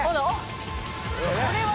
これは。